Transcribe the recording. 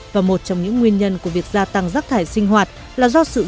và một trong những nguyên nhân của việc gia tăng rác thải sinh hoạt là do sự gia tăng